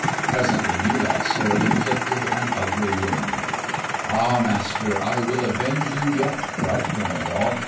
Presently Melot's sword inflicted an ugly wound. "Ha, master, I will avenge you yet!" cried Kurneval.